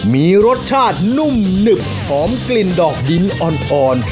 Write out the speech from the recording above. มีรสชาตินุ่มหนึบหอมกลิ่นดอกดินอ่อน